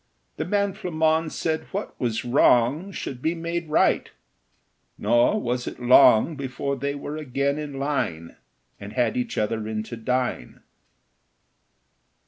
The man Flammonde said what was wrong Should be made right; nor was it long Before they were again in line, And had each other in to dine.